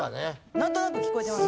なんとなく聴こえてます。